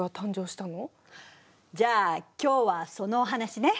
じゃあ今日はそのお話ね。